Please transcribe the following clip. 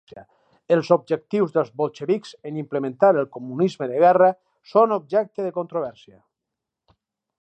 Els objectius dels Bolxevics en implementar el comunisme de guerra són objecte de controvèrsia.